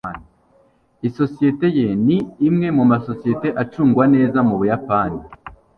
isosiyete ye ni imwe mu masosiyete acungwa neza mu buyapani